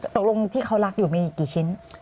ตกลงที่เขารักอยู่มีกี่ชิ้น